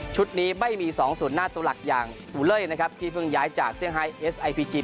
นี้ไม่มีสองศูนย์หน้าตัวหลักอย่างบูเล่นะครับที่เพิ่งย้ายจากเซี่ยเอสไอพีจิ